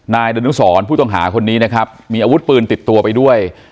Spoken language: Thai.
นายดนุสรผู้ต้องหาคนนี้นะครับมีอาวุธปืนติดตัวไปด้วย